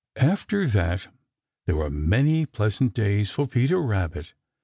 After that there were many pleasant days for Peter Rabbit.